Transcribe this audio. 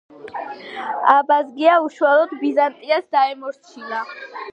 აბაზგია უშუალოდ ბიზანტიას დაემორჩილა.